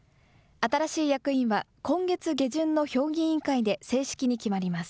新しい役員は、今月下旬の評議員会で正式に決まります。